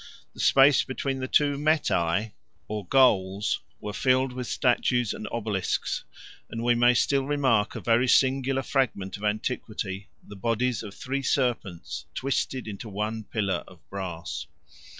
47 The space between the two metæ or goals were filled with statues and obelisks; and we may still remark a very singular fragment of antiquity; the bodies of three serpents, twisted into one pillar of brass.